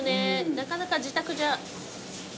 なかなか自宅じゃ。